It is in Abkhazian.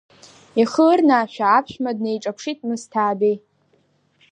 Ихы ырнаашәа аԥшәма днеиҿаԥшит Мысҭаабеи.